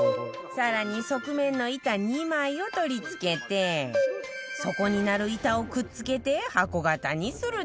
更に側面の板２枚を取り付けて底になる板をくっつけて箱形にするだけ